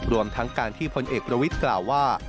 รวมทั้งการที่พลเอกประวิทย์กล่าวว่า